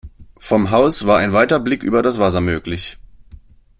Vom Haus war ein weiter Blick über das Wasser möglich.